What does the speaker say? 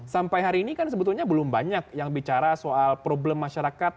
sampai hari ini kan sebetulnya belum banyak yang bicara soal problem masyarakat